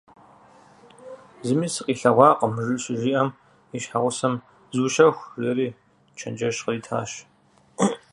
Зыми сыкъилъэгъуакъым, щыжиӀэм, и щхьэгъусэм: - Зыущэху, – жиӀэри чэнджэщ къритащ.